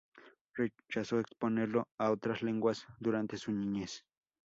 Rechazó exponerlo a otras lenguas durante su niñez.